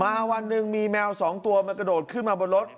วันหนึ่งมีแมว๒ตัวมันกระโดดขึ้นมาบนรถ